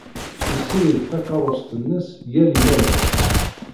Yessirid takeṛṛust-nnes yal imalas.